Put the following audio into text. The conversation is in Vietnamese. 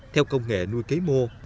theo công nghệ nuôi cấy mô